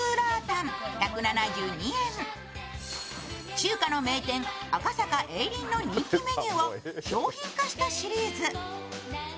中華の名店赤坂榮林の人気メニューを商品化したシリーズ。